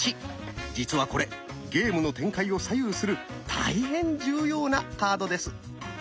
実はこれゲームの展開を左右する大変重要なカードです。